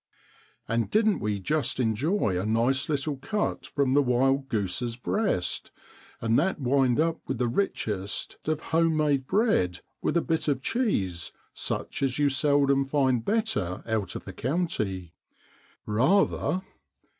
And didn't we just enjoy a nice little cut from a wild goose's breast, and that wind up with the richest of home made bread with a bit of cheese such as you seldom find better out of the county? Eather!